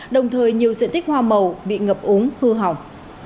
đồng thời nhiều diện tích hoa màu bị ngập úng hư hỏng